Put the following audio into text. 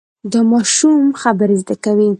دا ماشوم خبرې زده کوي.